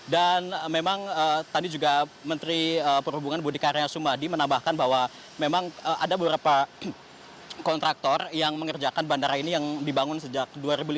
dan memang tadi juga menteri perhubungan budi karya sumadi menambahkan bahwa memang ada beberapa kontraktor yang mengerjakan bandara ini yang dibangun sejak dua ribu lima belas